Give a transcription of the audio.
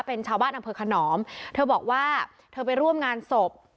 เป็นชาวบ้านอำเภอขนอมเธอบอกว่าเธอไปร่วมงานศพ